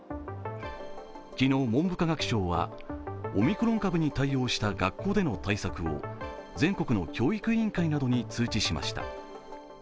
昨日、文部科学省はオミクロン株に対応した学校での対策を全国の教育委員会などに通知しました。